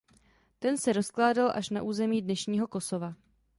Ten se rozkládal až na území dnešního Kosova.